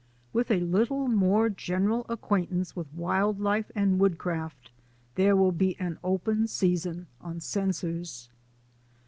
With a little more gen eral acquaintance with wild life and woodcraft there will be an open season on censors.